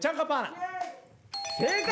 正解！